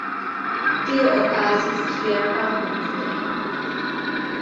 Tio okazis hieraŭ nokte.